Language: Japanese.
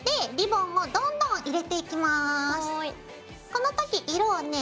この時色をね